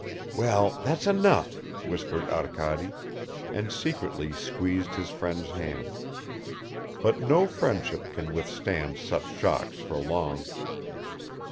"Well, that's enough," whispered Arkady, and secretly squeezed his friend's hand. But no friendship can withstand such shocks for long.